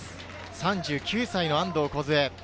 ３９歳の安藤梢。